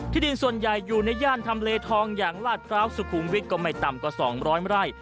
ดินส่วนใหญ่อยู่ในย่านทำเลทองอย่างลาดพร้าวสุขุมวิทย์ก็ไม่ต่ำกว่า๒๐๐ไร่